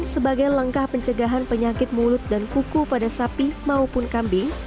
sebagai langkah pencegahan penyakit mulut dan kuku pada sapi maupun kambing